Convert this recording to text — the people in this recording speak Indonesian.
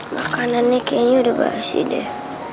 makanannya kayaknya udah pasti deh